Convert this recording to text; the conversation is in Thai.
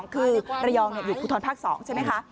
คือระยองอยู่ภูทรภาค๒ใช่ไหมคะ